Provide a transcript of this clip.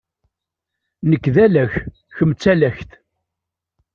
Nekk d alak, kemm d talakt.